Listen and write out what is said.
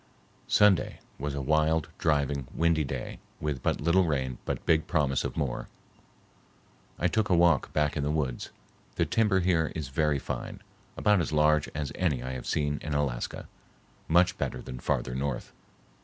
Sunday was a wild, driving, windy day with but little rain but big promise of more. I took a walk back in the woods. The timber here is very fine, about as large as any I have seen in Alaska, much better than farther north.